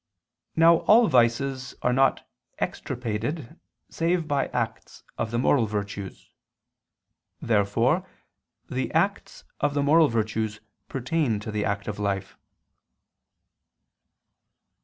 Now all vices are not extirpated save by acts of the moral virtues. Therefore the acts of the moral virtues pertain to the active life.